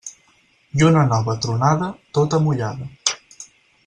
Lluna nova tronada, tota mullada.